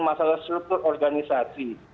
masalah struktur organisasi